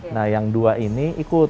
nah yang dua ini ikut